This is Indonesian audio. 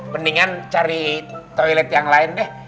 mendingan cari toilet yang lain deh